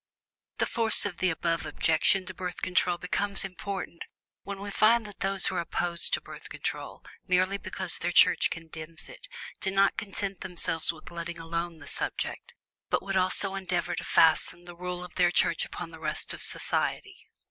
The force of the above objection to Birth Control becomes important when we find that those who are opposed to Birth Control merely because their Church condemns it do not content themselves with letting alone the subject, but would also endeavor to fasten the rule of their Church upon the rest of society.